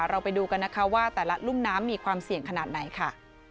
เราไปดูกันนะคะว่าแต่ละรุ่มน้ำมีความเสี่ยงขนาดไหนค่ะ